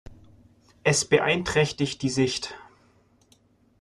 Es beeinträchtigt die Sicht.